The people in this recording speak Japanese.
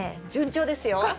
順調ですよ。